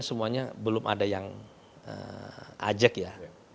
semuanya belum ada yang ajak ya